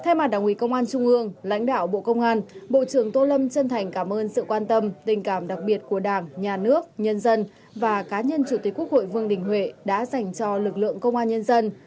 thay mặt đảng ủy công an trung ương lãnh đạo bộ công an bộ trưởng tô lâm chân thành cảm ơn sự quan tâm tình cảm đặc biệt của đảng nhà nước nhân dân và cá nhân chủ tịch quốc hội vương đình huệ đã dành cho lực lượng công an nhân dân